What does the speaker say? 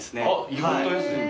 意外と安い。